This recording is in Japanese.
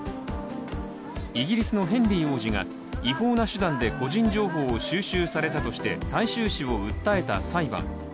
イギリスのヘンリー王子が違法な手段で個人情報を収集されたとして、大衆紙を訴えた裁判。